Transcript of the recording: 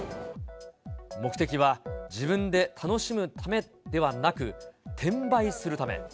目的は自分で楽しむためではなく、転売するため。